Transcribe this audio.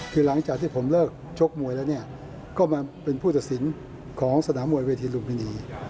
คือหลังจากที่ผมเลิกชกมวยแล้วเนี่ยก็มาเป็นผู้ตัดสินของสนามมวยเวทีลุมพินี